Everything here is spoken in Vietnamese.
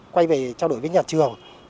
quay về trao đổi với nhà trường